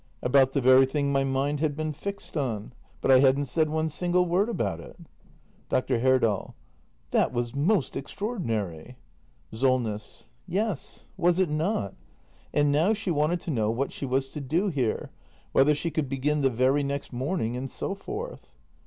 About the very thing my mind had been fixed on. But I hadn't said one single word about it. Dr. Herdal. That was most extraordinary. SOLNESS. Yes, was it not? And now she wanted to know what she was to do here — whether she could begin the very next morning, and so forth.